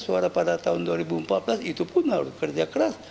suara pada tahun dua ribu empat belas itu pun harus kerja keras